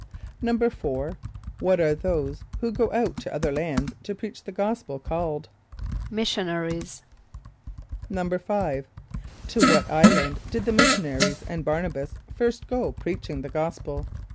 = =4.= What are those who go out to other lands to preach the gospel called? =Missionaries.= =5.= To what island did the missionaries and Bär´na b[)a]s first go preaching the gospel?